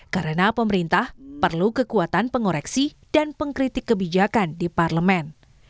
karena pemerintah perlu kekuatan pengoreksi dan pengkritik kebijakan di parlemen